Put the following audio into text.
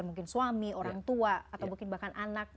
mungkin suami orang tua atau mungkin bahkan anak